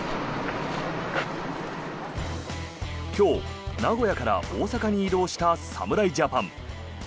今日名古屋から大阪に移動した侍ジャパン。